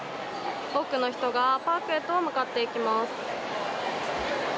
多くの人がパークへと向かっていきます。